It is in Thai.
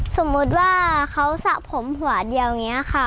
สมมุติว่าเขาสระผมหัวเดียวอย่างนี้ค่ะ